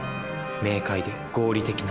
明快で合理的な思考。